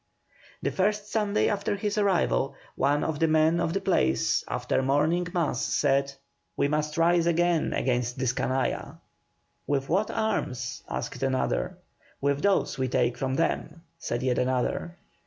The first Sunday after his arrival, one of the men of the place after morning mass, said: "We must rise against this canalla." "With what arms?" asked another. "With those we take from them," said yet another.